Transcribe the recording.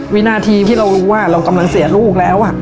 วินาทีที่เรารู้ว่าเรากำลังเสียลูกแล้ว